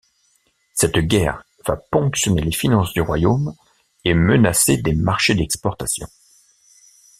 Cette guerre va ponctionner les finances du royaume et menacer des marchés d'exportation.